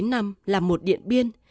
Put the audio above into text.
chín năm là một điện biên